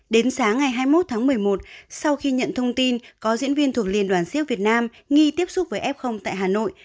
đến sáng ngày hai mươi một tháng một mươi một sau khi nhận thông tin có diễn viên thuộc liên đoàn siếc việt nam nghi tiếp xúc với f tại hà nội